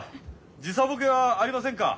時差ボケはありませんか？